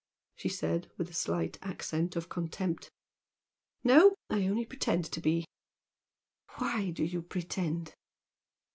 she said with a slight accent of contempt. "No! I only pretend to be!" "Why do you pretend?"